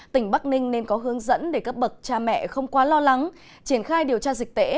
tỉnh bắc ninh nên có hướng dẫn để các bậc cha mẹ không quá lo lắng triển khai điều tra dịch tễ